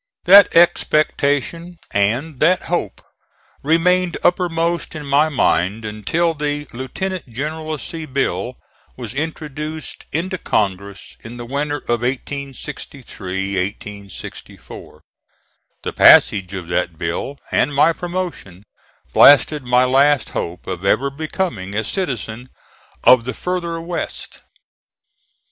That expectation and that hope remained uppermost in my mind until the Lieutenant Generalcy bill was introduced into Congress in the winter of 1863 4. The passage of that bill, and my promotion, blasted my last hope of ever becoming a citizen of the further West.